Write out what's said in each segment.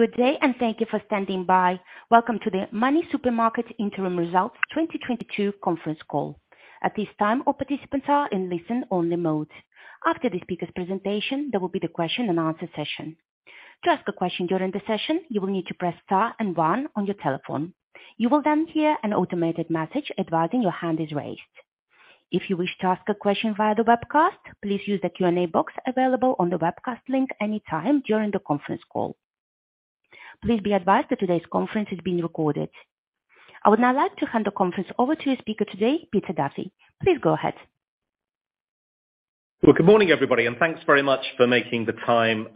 Good day, thank you for standing by. Welcome to the MoneySuperMarket interim results 2022 conference call. At this time, all participants are in listen only mode. After the speaker's presentation, there will be the question and answer session. To ask a question during the session, you will need to press star and one on your telephone. You will then hear an automated message advising your hand is raised. If you wish to ask a question via the webcast, please use the Q&A box available on the webcast link anytime during the conference call. Please be advised that today's conference is being recorded. I would now like to hand the conference over to your speaker today, Peter Duffy. Please go ahead. Well, good morning, everybody, and thanks very much for making the time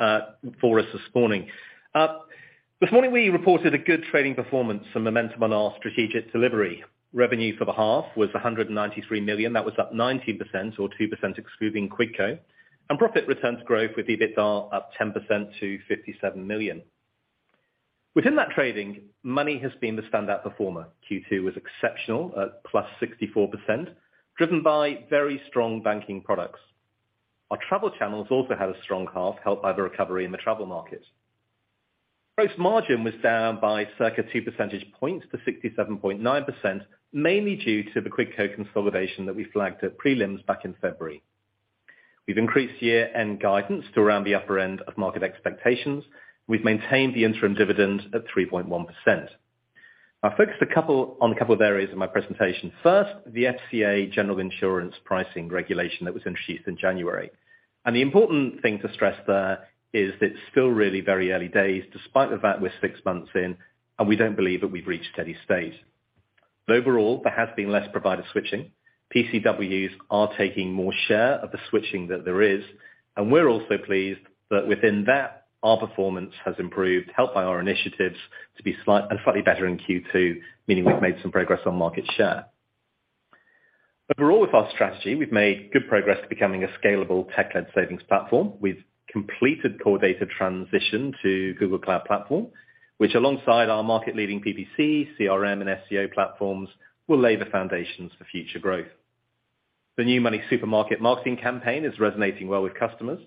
for us this morning. This morning we reported a good trading performance and momentum on our strategic delivery. Revenue for the half was 193 million. That was up 19% or 2% excluding Quidco. Profit returns growth with EBITDA up 10% to 57 million. Within that trading, Money has been the standout performer. Q2 was exceptional at +64%, driven by very strong banking products. Our travel channels also had a strong half, helped by the recovery in the travel market. Gross margin was down by circa 2 percentage points to 67.9%, mainly due to the Quidco consolidation that we flagged at prelims back in February. We've increased year-end guidance to around the upper end of market expectations. We've maintained the interim dividend at 3.1%. I'll focus on a couple of areas in my presentation. First, the FCA general insurance pricing regulation that was introduced in January. The important thing to stress there is it's still really very early days, despite the fact we're six months in, and we don't believe that we've reached steady state. Overall, there has been less provider switching. PCWs are taking more share of the switching that there is, and we're also pleased that within that, our performance has improved, helped by our initiatives to be slightly better in Q2, meaning we've made some progress on market share. Overall with our strategy, we've made good progress to becoming a scalable tech-led savings platform. We've completed core data transition to Google Cloud Platform, which alongside our market leading PPC, CRM, and SEO platforms, will lay the foundations for future growth. The new MoneySuperMarket marketing campaign is resonating well with customers,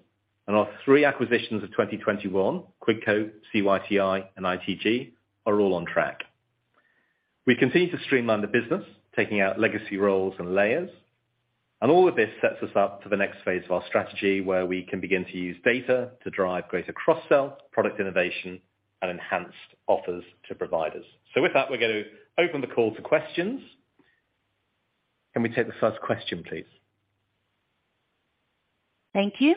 and our three acquisitions of 2021, Quidco, CYTI and ITG, are all on track. We continue to streamline the business, taking out legacy roles and layers, and all of this sets us up for the next phase of our strategy, where we can begin to use data to drive greater cross-sell, product innovation, and enhanced offers to providers. With that, we're going to open the call to questions. Can we take the first question, please? Thank you.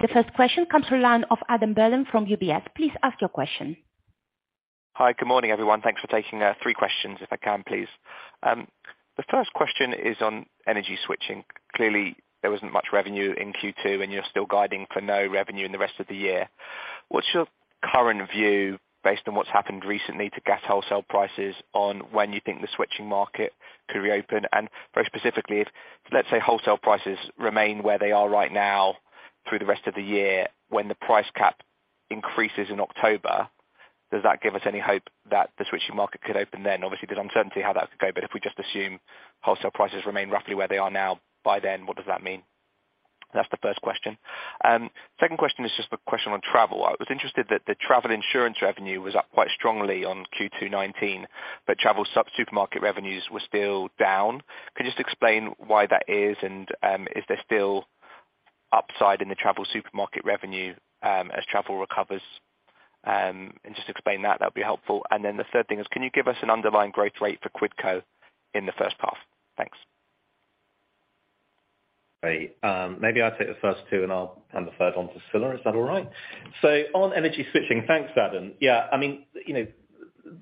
The first question comes from the line of Adam Berlin from UBS. Please ask your question. Hi, good morning, everyone. Thanks for taking three questions if I can, please. The first question is on energy switching. Clearly, there wasn't much revenue in Q2, and you're still guiding for no revenue in the rest of the year. What's your current view based on what's happened recently to gas wholesale prices on when you think the switching market could reopen? And very specifically, if let's say, wholesale prices remain where they are right now through the rest of the year when the price cap increases in October, does that give us any hope that the switching market could open then? Obviously, there's uncertainty how that could go. But if we just assume wholesale prices remain roughly where they are now, by then, what does that mean? That's the first question. Second question is just a question on travel. I was interested that the travel insurance revenue was up quite strongly on Q2 2019, but TravelSupermarket revenues were still down. Could you just explain why that is? Is there still upside in the TravelSupermarket revenue, as travel recovers? Just explain that. That'd be helpful. The third thing is, can you give us an underlying growth rate for Quidco in the first half? Thanks. Great. Maybe I'll take the first two, and I'll hand the third on to Scilla. Is that all right? On energy switching, thanks, Adam. Yeah, I mean, you know,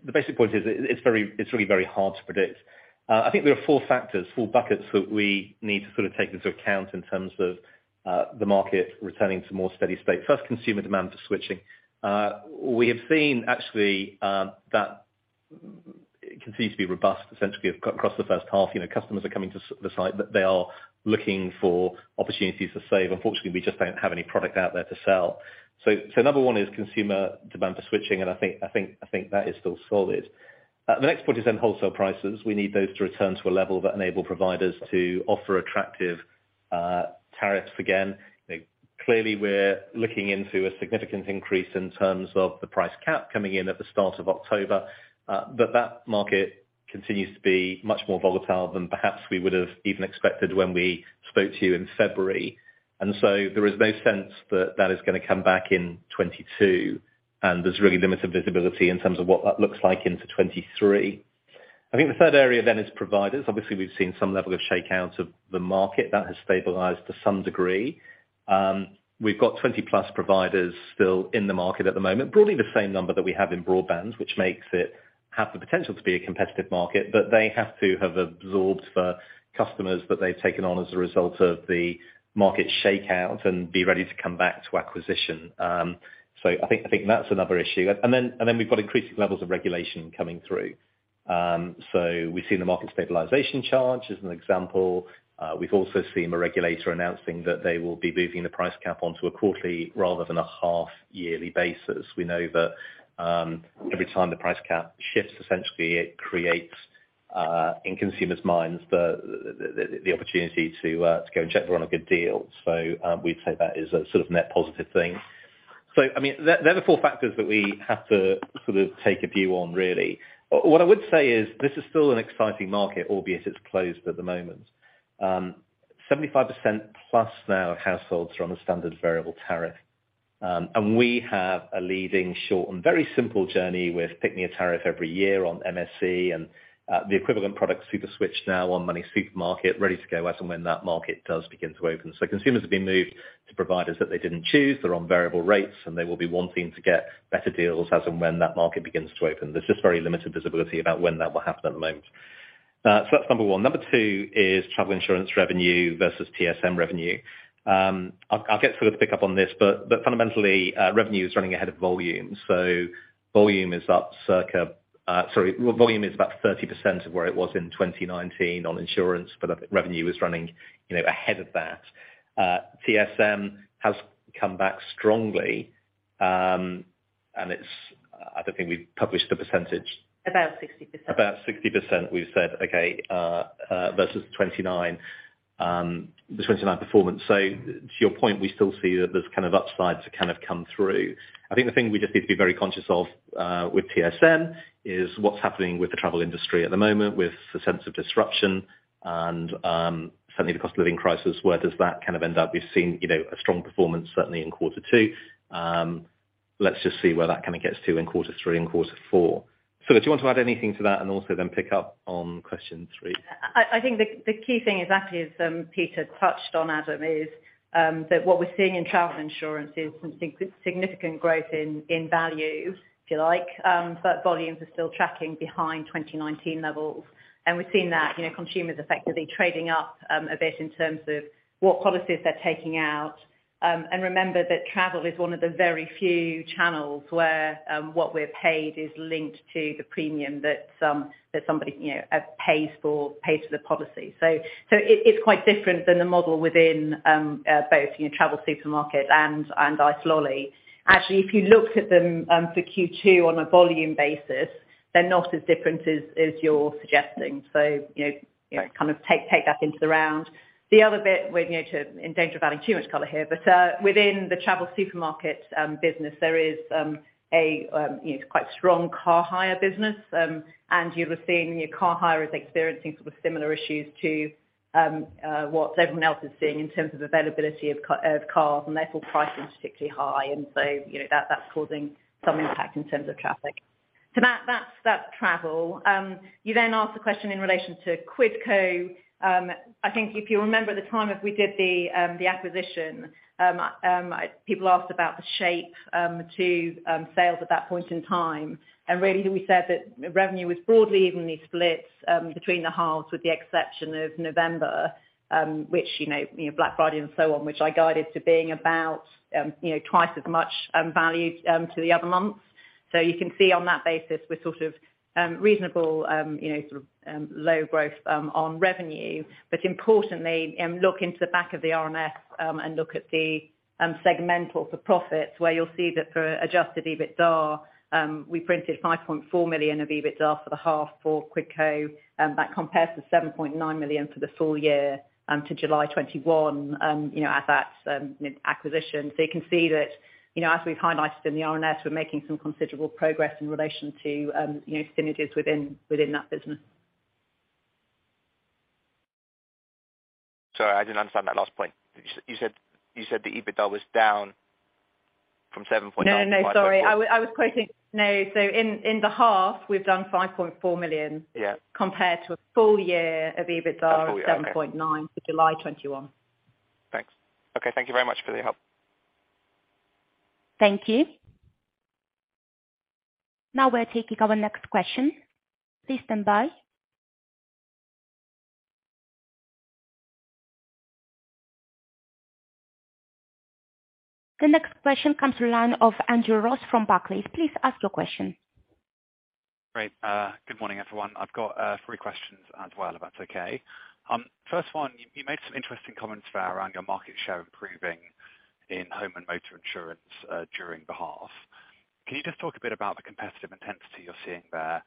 the basic point is it's really very hard to predict. I think there are four factors, four buckets that we need to sort of take into account in terms of the market returning to more steady-state. First, consumer demand for switching. We have seen actually that it continues to be robust essentially across the first half. You know, customers are coming to the site, but they are looking for opportunities to save. Unfortunately, we just don't have any product out there to sell. Number one is consumer demand for switching, and I think that is still solid. The next point is then wholesale prices. We need those to return to a level that enable providers to offer attractive, tariffs again. Clearly, we're looking into a significant increase in terms of the price cap coming in at the start of October. That market continues to be much more volatile than perhaps we would have even expected when we spoke to you in February. There is no sense that that is gonna come back in 2022, and there's really limited visibility in terms of what that looks like into 2023. I think the third area then is providers. Obviously, we've seen some level of shakeouts of the market. That has stabilized to some degree. We've got 20+ providers still in the market at the moment, broadly the same number that we have in broadband, which makes it have the potential to be a competitive market. They have to have absorbed the customers that they've taken on as a result of the market shakeout and be ready to come back to acquisition. I think that's another issue. We've got increasing levels of regulation coming through. We've seen the market stabilisation charge as an example. We've also seen the regulator announcing that they will be moving the price cap onto a quarterly rather than a half yearly basis. We know that every time the price cap shifts, essentially it creates in consumers' minds the opportunity to go and check they're on a good deal. We'd say that is a sort of net positive thing. I mean, they're the four factors that we have to sort of take a view on really. What I would say is this is still an exciting market, albeit it's closed at the moment. 75% plus now households are on a standard variable tariff. We have a leading short and very simple journey with Pick Me a Tariff Every Year on MSE and, the equivalent product Super Switch now on MoneySuperMarket ready to go as and when that market does begin to open. Consumers are being moved to providers that they didn't choose. They're on variable rates, and they will be wanting to get better deals as and when that market begins to open. There's just very limited visibility about when that will happen at the moment. That's number one. Number two is travel insurance revenue versus TSM revenue. I'll get Scilla to pick up on this, but fundamentally, revenue is running ahead of volume. Volume is about 30% of where it was in 2019 on insurance, but revenue is running, you know, ahead of that. TSM has come back strongly, and I don't think we've published the percentage. About 60%. About 60% we've said, okay, versus 29%, the 29% performance. To your point, we still see that there's kind of upside to kind of come through. I think the thing we just need to be very conscious of, with TSM is what's happening with the travel industry at the moment, with the sense of disruption and, certainly the cost of living crisis, where does that kind of end up? We've seen, you know, a strong performance certainly in quarter two. Let's just see where that kind of gets to in quarter three and quarter four. Scilla, do you want to add anything to that and also then pick up on question three? I think the key thing exactly as Peter touched on, Adam, is that what we're seeing in travel insurance is some significant growth in value, if you like, but volumes are still tracking behind 2019 levels. We've seen that, you know, consumers effectively trading up a bit in terms of what policies they're taking out. Remember that travel is one of the very few channels where what we're paid is linked to the premium that somebody, you know, pays for the policy. It's quite different than the model within both, you know, TravelSupermarket and Icelolly.com. Actually, if you looked at them for Q2 on a volume basis, they're not as different as you're suggesting. You know, kind of take that into account. The other bit we're, you know, in danger of adding too much color here, but within the TravelSupermarket business, there is a you know quite strong car hire business. You were seeing our car hire is experiencing sort of similar issues to what everyone else is seeing in terms of availability of cars and therefore pricing is particularly high. You know, that's causing some impact in terms of traffic. That's travel. You then asked a question in relation to Quidco. I think if you remember at the time we did the acquisition, people asked about the shape to sales at that point in time. Really we said that revenue was broadly evenly split between the halves with the exception of November, which, you know, Black Friday and so on, which I guided to being about, you know, twice as much value to the other months. You can see on that basis we're sort of reasonable, you know, sort of low growth on revenue. Importantly, look into the back of the RNS, and look at the segmental for profits where you'll see that for adjusted EBITDA, we printed 5.4 million of EBITDA for the half for Quidco, that compares to 7.9 million for the full year to July 2021, you know, at that acquisition. You can see that, you know, as we've highlighted in the RNS, we're making some considerable progress in relation to, you know, synergies within that business. Sorry, I didn't understand that last point. You said the EBITDA was down from 7.9% to 5.4%. No, no, sorry. I was quoting. No. In the half we've done 5.4 million. Yeah. compared to a full year of EBITDA A full year. Okay. of 7.9 for July 2021. Thanks. Okay, thank you very much for your help. Thank you. Now we're taking our next question. Please stand by. The next question comes through the line of Andrew Ross from Barclays. Please ask your question. Great. Good morning, everyone. I've got three questions as well, if that's okay. First one, you made some interesting comments there around your market share improving in home and motor insurance during the half. Can you just talk a bit about the competitive intensity you're seeing there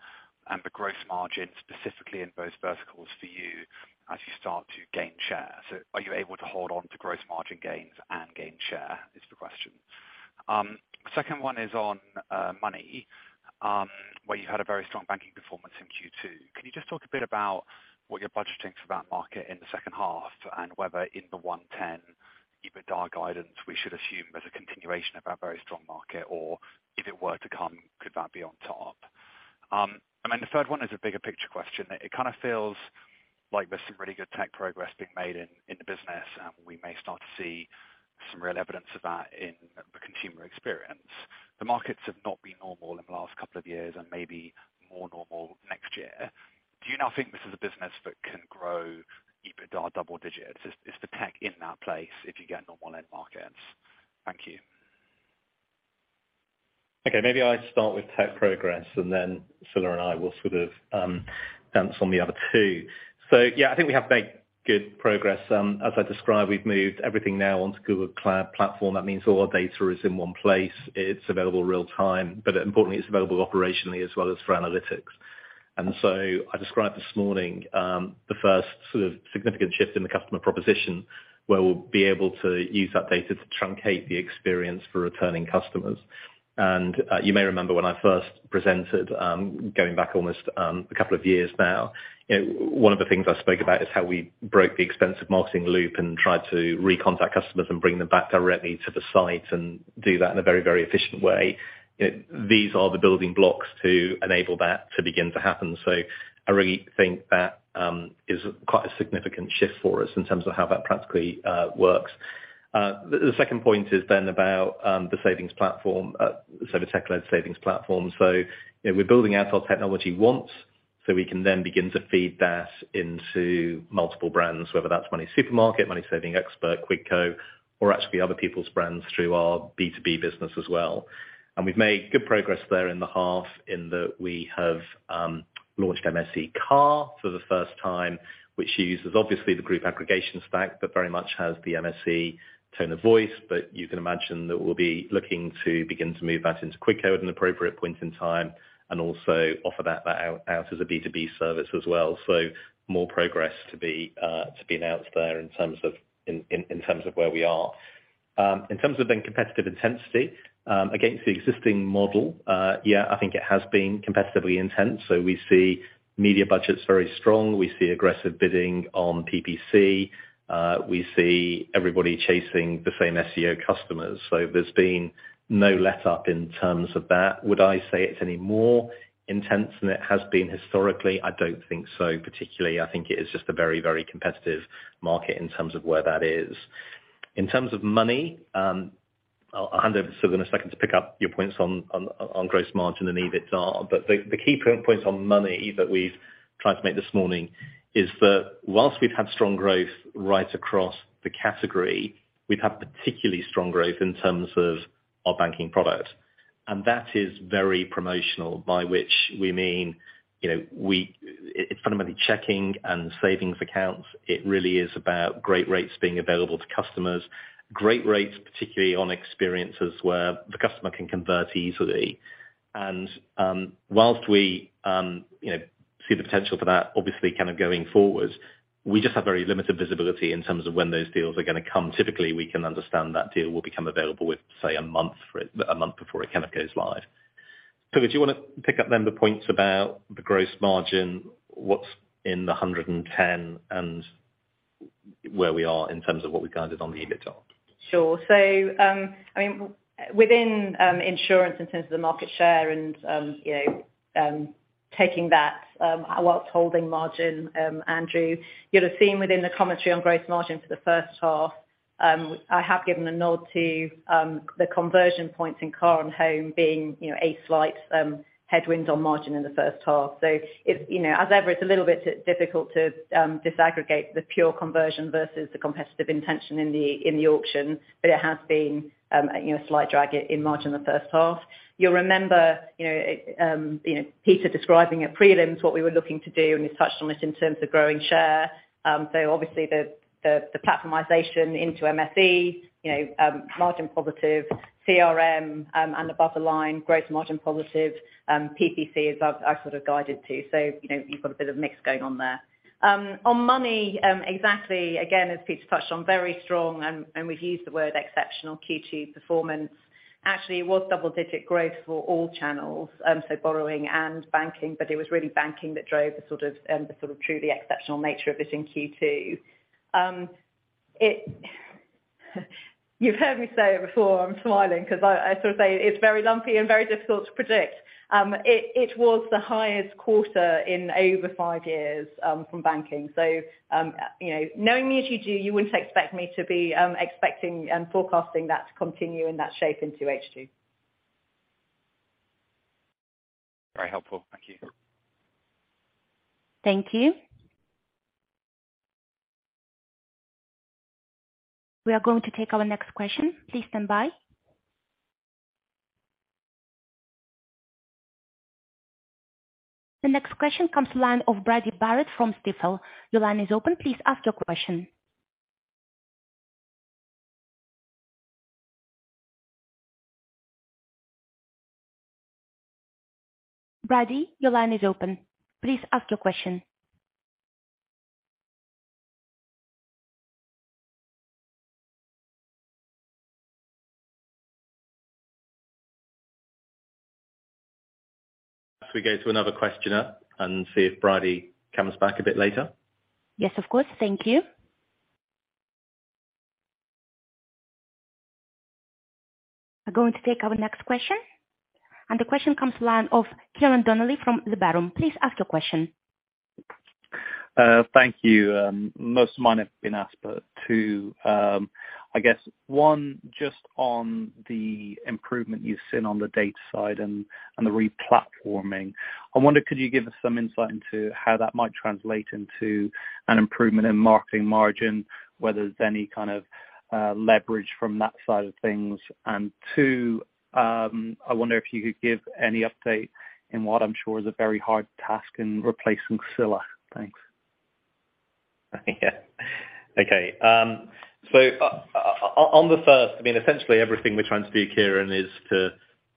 and the gross margin specifically in both verticals for you as you start to gain share? So are you able to hold on to gross margin gains and gain share is the question. Second one is on Money, where you had a very strong banking performance in Q2. Can you just talk a bit about what you're budgeting for that market in the second half and whether in the 110 EBITDA guidance we should assume there's a continuation of that very strong market or if it were to come, could that be on top? The third one is a bigger picture question. It kind of feels like there's some really good tech progress being made in the business and we may start to see some real evidence of that in the consumer experience. The markets have not been normal in the last couple of years and maybe more normal next year. Do you now think this is a business that can grow EBITDA double digits? Is the tech in that place if you get normal end markets? Thank you. Okay. Maybe I start with tech progress and then Scilla and I will sort of dance on the other two. Yeah, I think we have made good progress. As I described, we've moved everything now onto Google Cloud Platform. That means all our data is in one place. It's available real time, but importantly it's available operationally as well as for analytics. I described this morning the first sort of significant shift in the customer proposition, where we'll be able to use that data to truncate the experience for returning customers. You may remember when I first presented, going back almost a couple of years now. One of the things I spoke about is how we broke the expensive marketing loop and tried to re-contact customers and bring them back directly to the site and do that in a very, very efficient way. These are the building blocks to enable that to begin to happen. I really think that is quite a significant shift for us in terms of how that practically works. The second point is then about the savings platform, sort of tech-led savings platform. We're building out our technology once, so we can then begin to feed that into multiple brands, whether that's MoneySuperMarket, MoneySavingExpert, Kwik Fit, or actually other people's brands through our B2B business as well. We've made good progress there in the half in that we have launched MSE Car for the first time, which uses obviously the group aggregation stack, but very much has the MSE tone of voice. You can imagine that we'll be looking to begin to move that into Kwik Fit at an appropriate point in time and also offer that out as a B2B service as well. More progress to be announced there in terms of where we are. In terms of then competitive intensity against the existing model, yeah, I think it has been competitively intense. We see media budgets very strong. We see aggressive bidding on PPC. We see everybody chasing the same SEO customers. There's been no letup in terms of that. Would I say it's any more intense than it has been historically? I don't think so, particularly. I think it is just a very, very competitive market in terms of where that is. In terms of money, I'll hand over to Scilla in a second to pick up your points on gross margin and EBITDA. The key points on money that we've tried to make this morning is that whilst we've had strong growth right across the category, we've had particularly strong growth in terms of our banking product. That is very promotional by which we mean, you know, we. It's fundamentally checking and savings accounts. It really is about great rates being available to customers. Great rates, particularly on experiences where the customer can convert easily. While we, you know, see the potential for that, obviously, kind of going forward, we just have very limited visibility in terms of when those deals are gonna come. Typically, we can understand that a deal will become available, say, a month before it kind of goes live. Scilla, do you wanna pick up then the points about the gross margin? What's in the 110 and where we are in terms of what we guided on the EBITDA? Sure. I mean, within insurance in terms of the market share and, you know, taking that while holding margin, Andrew, you'd have seen within the commentary on gross margin for the first half. I have given a nod to the conversion points in car and home being, you know, a slight headwind on margin in the first half. It's, you know, as ever, a little bit difficult to disaggregate the pure conversion versus the competitive intensity in the auction, but it has been, you know, a slight drag in margin in the first half. You'll remember, you know, Peter describing at prelims what we were looking to do, and you touched on it in terms of growing share. Obviously the platformization into MSE, you know, margin positive, CRM, and above the line, gross margin positive, PPC as I've sort of guided to. You know, you've got a bit of mix going on there. On Money, exactly, again, as Peter touched on, very strong and we've used the word exceptional Q2 performance. Actually, it was double-digit growth for all channels, borrowing and banking, but it was really banking that drove the sort of truly exceptional nature of it in Q2. You've heard me say it before. I'm smiling 'cause I sort of say it's very lumpy and very difficult to predict. It was the highest quarter in over five years, from banking. You know, knowing me as you do, you wouldn't expect me to be expecting and forecasting that to continue in that shape into H2. Very helpful. Thank you. Thank you. We are going to take our next question. Please stand by. The next question comes to line of Bridie Barrett from Stifel. Your line is open. Please ask your question. Bridie, your line is open. Please ask your question. Can we go to another questioner and see if Bridie comes back a bit later? Yes, of course. Thank you. We're going to take our next question. The question comes from the line of Ciarán Donnelly from Liberum. Please ask your question. Thank you. Most of mine have been asked, but two. I guess one, just on the improvement you've seen on the data side and the replatforming. I wonder, could you give us some insight into how that might translate into an improvement in marketing margin, whether there's any kind of leverage from that side of things? Two, I wonder if you could give any update in what I'm sure is a very hard task in replacing Scilla. Thanks. Yeah. Okay. On the first, I mean, essentially everything we're trying to do, Ciarán,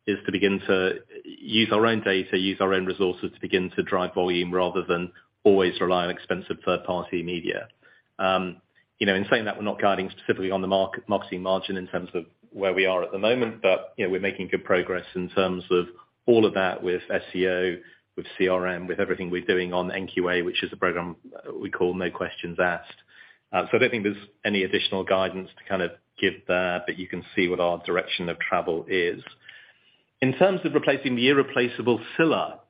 is to begin to use our own data, use our own resources to begin to drive volume rather than always rely on expensive third party media. You know, in saying that, we're not guiding specifically on the marketing margin in terms of where we are at the moment, but, you know, we're making good progress in terms of all of that with SEO, with CRM, with everything we're doing on NQA, which is a program we call No Questions Asked. I don't think there's any additional guidance to kind of give there, but you can see what our direction of travel is. In terms of replacing the irreplaceable Scilla,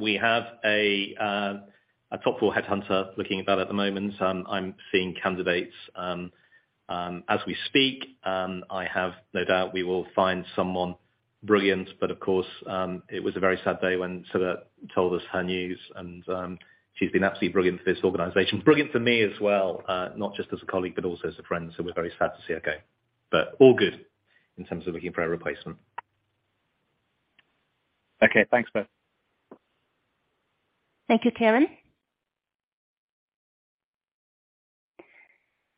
we have a top four headhunter looking at that at the moment. I'm seeing candidates as we speak. I have no doubt we will find someone brilliant, but of course, it was a very sad day when Scilla told us her news, and she's been absolutely brilliant for this organization. Brilliant for me as well, not just as a colleague, but also as a friend. We're very sad to see her go. All good in terms of looking for a replacement. Okay. Thanks both. Thank you, Ciarán.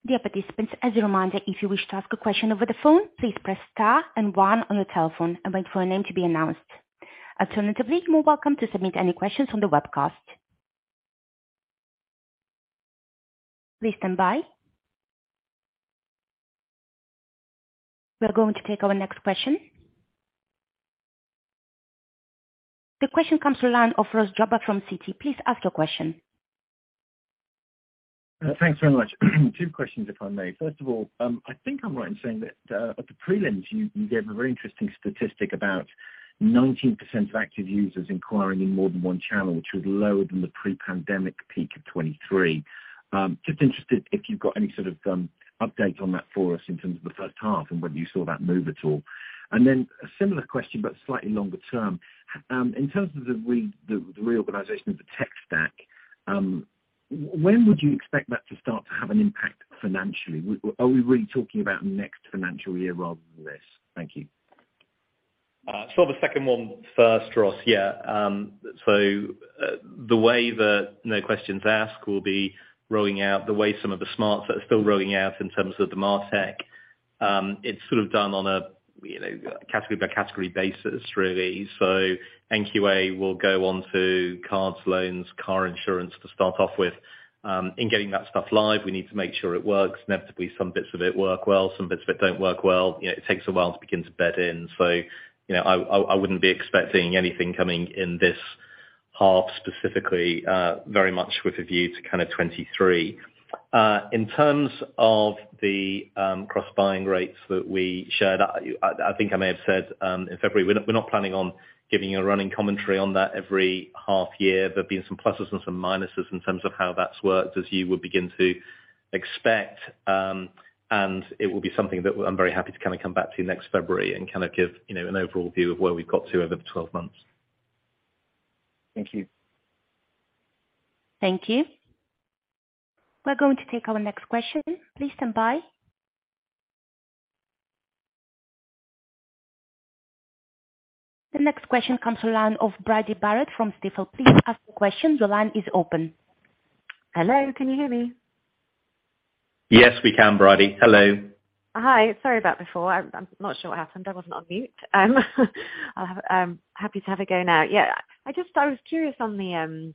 Dear participants, as a reminder, if you wish to ask a question over the phone, please press star and one on your telephone and wait for your name to be announced. Alternatively, you are welcome to submit any questions on the webcast. Please stand by. We're going to take our next question. The question comes to line of Ross Jobber from Citi. Please ask your question. Thanks very much. Two questions, if I may. First of all, I think I'm right in saying that at the prelims, you gave a very interesting statistic about 19% of active users inquiring in more than one channel, which was lower than the pre-pandemic peak of 23%. Just interested if you've got any sort of update on that for us in terms of the first half and whether you saw that move at all. A similar question, but slightly longer term. In terms of the reorganization of the tech stack, when would you expect that to start to have an impact financially? Are we really talking about next financial year rather than this? Thank you. The second one first, Ross. Yeah. The way the No Questions Asked will be rolling out, the way some of the smarts are still rolling out in terms of the MarTech, it's sort of done on a, you know, category by category basis really. NQA will go on to cards, loans, car insurance to start off with. In getting that stuff live, we need to make sure it works. Inevitably, some bits of it work well, some bits of it don't work well. You know, it takes a while to begin to bed in. You know, I wouldn't be expecting anything coming in this half specifically, very much with a view to kind of 2023. In terms of the cross buying rates that we shared, I think I may have said in February, we're not planning on giving a running commentary on that every half year. There have been some pluses and some minuses in terms of how that's worked as you would begin to expect. It will be something that I'm very happy to kinda come back to you next February and kinda give, you know, an overall view of where we've got to over the 12 months. Thank you. Thank you. We're going to take our next question. Please stand by. The next question comes from the line of Bridie Barrett from Stifel. Please ask your question. Your line is open. Hello, can you hear me? Yes, we can, Bridie. Hello. Hi. Sorry about before. I'm not sure what happened. I wasn't on mute. Happy to have a go now. Yeah. I just I was curious on the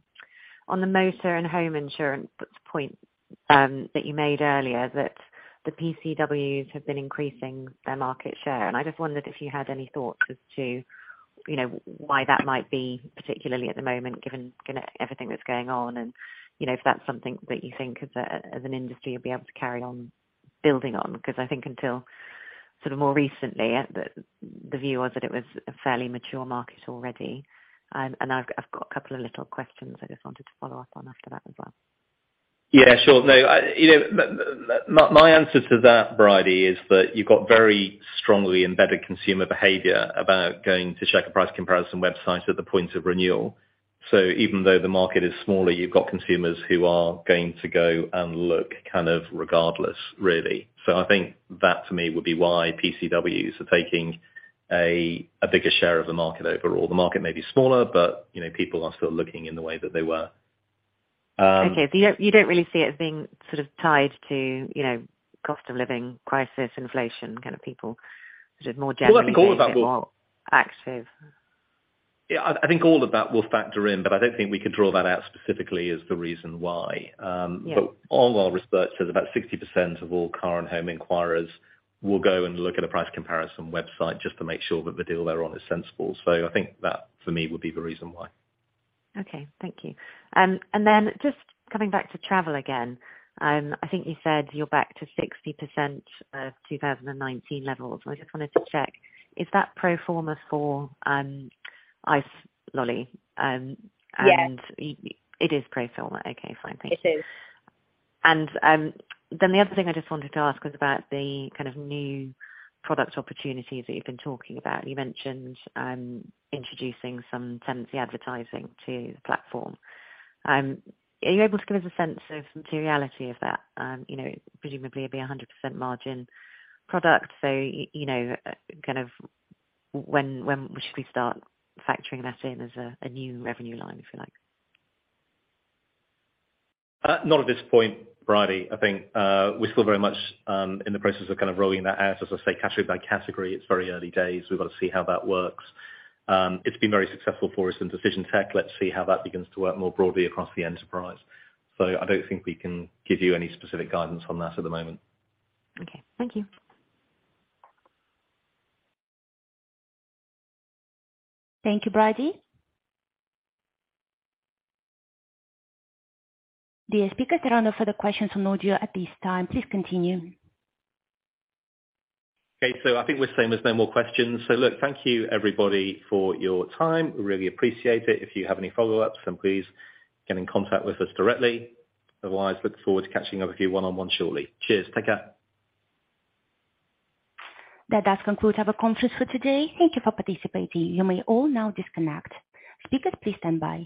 motor and home insurance point that you made earlier, that the PCWs have been increasing their market share. I wondered if you had any thoughts as to, you know, why that might be, particularly at the moment, given everything that's going on and, you know, if that's something that you think as an industry you'll be able to carry on building on. Because I think until sort of more recently, the view was that it was a fairly mature market already. I've got a couple of little questions I just wanted to follow up on after that as well. Yeah, sure. No, you know, my answer to that, Bridie, is that you've got very strongly embedded consumer behavior about going to check a price comparison website at the point of renewal. Even though the market is smaller, you've got consumers who are going to go and look kind of regardless, really. I think that to me would be why PCWs are taking a bigger share of the market overall. The market may be smaller, but you know, people are still looking in the way that they were. Okay. You don't really see it as being sort of tied to, you know, cost of living crisis, inflation, kind of people just more generally being more- Well, I think all of that will. -active. Yeah, I think all of that will factor in, but I don't think we could draw that out specifically as the reason why. Yeah. All our research says about 60% of all car and home inquirers will go and look at a price comparison website just to make sure that the deal they're on is sensible. I think that for me, would be the reason why. Okay. Thank you. Just coming back to travel again. I think you said you're back to 60% of 2019 levels. I just wanted to check, is that pro forma for Icelolly? Yes. It is pro forma. Okay, fine. Thank you. It is. Then the other thing I just wanted to ask was about the kind of new product opportunities that you've been talking about. You mentioned introducing some tenancy advertising to the platform. Are you able to give us a sense of materiality of that? You know, presumably it'd be a 100% margin product, so you know, kind of when should we start factoring that in as a new revenue line, if you like? Not at this point, Bridie. I think we're still very much in the process of kind of rolling that out, as I say, category by category. It's very early days. We've got to see how that works. It's been very successful for us in Decision Tech. Let's see how that begins to work more broadly across the enterprise. I don't think we can give you any specific guidance on that at the moment. Okay. Thank you. Thank you, Bridie. There are no further questions on audio at this time. Please continue. Okay. I think we're saying there's no more questions. Look, thank you everybody for your time. We really appreciate it. If you have any follow-ups, then please get in contact with us directly. Otherwise, look forward to catching up with you one-on-one shortly. Cheers. Take care. That does conclude our conference for today. Thank you for participating. You may all now disconnect. Speakers, please stand by.